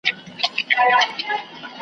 په سینو کي یې ځای ونیوی اورونو .